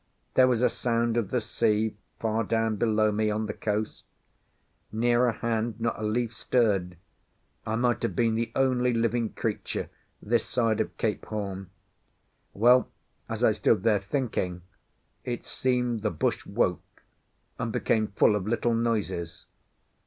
There was a sound of the sea far down below me on the coast; nearer hand not a leaf stirred; I might have been the only living creature this side of Cape Horn. Well, as I stood there thinking, it seemed the bush woke and became full of little noises.